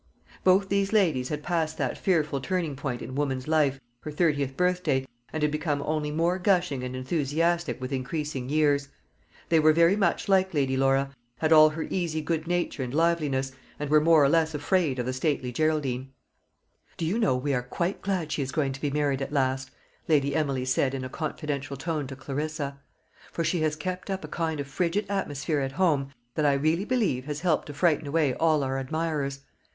Both these ladies had passed that fearful turning point in woman's life, her thirtieth birthday, and had become only more gushing and enthusiastic with increasing years. They were very much like Lady Laura, had all her easy good nature and liveliness, and were more or less afraid of the stately Geraldine. "Do you know, we are quite glad she is going to be married at last," Lady Emily said in a confidential tone to Clarissa; "for she has kept up a kind of frigid atmosphere at home that I really believe has helped to frighten away all our admirers.